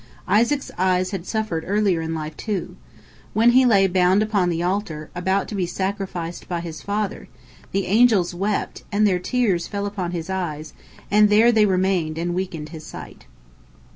Isaac's eyes had suffered earlier in life, too. When he lay bound upon the altar, about to be sacrificed by his father, the angels wept, and their tears fell upon his eyes, and there they remained and weakened his sight.